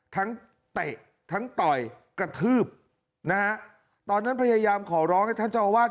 เตะทั้งต่อยกระทืบนะฮะตอนนั้นพยายามขอร้องให้ท่านเจ้าอาวาส